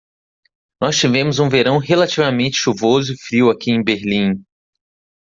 Nós tivemos um verão relativamente chuvoso e frio aqui em Berlim.